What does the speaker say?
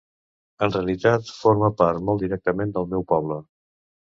En realitat forma part molt directament del meu poble.